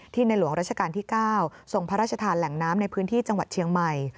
ในหลวงราชการที่๙ทรงพระราชทานแหล่งน้ำในพื้นที่จังหวัดเชียงใหม่